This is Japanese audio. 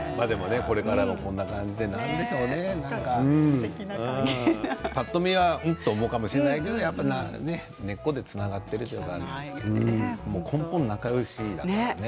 これからもこんな感じで何でしょうかねぱっと見は、うっと思うかもしれないけれども根っこでつながっているのか根本、仲よしだからね。